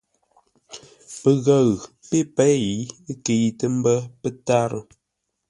Pəghəʉ pé pêi kəitə ḿbə́ pə́tárə́.